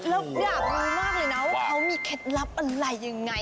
แล้วอยากรู้มากเลยนะว่าเขามีเคล็ดลับอะไรยังไง